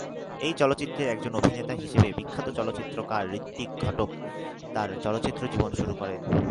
এই চলচ্চিত্রের একজন অভিনেতা হিসেবে বিখ্যাত চলচ্চিত্রকার ঋত্বিক ঘটক তাঁর চলচ্চিত্র জীবন শুরু করেন।